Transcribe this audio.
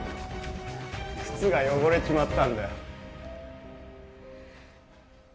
靴が汚れちまったんだよ。